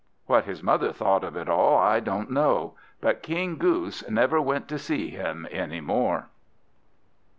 What his mother thought of it all I don't know; but King Goose never went to see them any more.